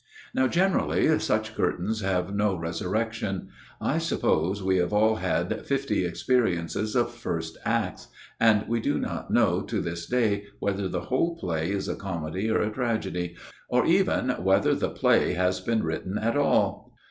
" Now, generally, such curtains have no resur rection. I suppose we have all had fifty experi ences of first Acts ; and we do not know to this day whether the whole play is a comedy or a MY OWN TALE 295 tragedy ; or even whether the play has been written at all."